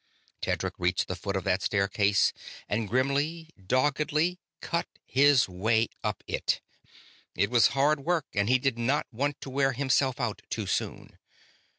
Tedric reached the foot of that staircase and grimly, doggedly, cut his way up it. It was hard work, and he did not want to wear himself out too soon.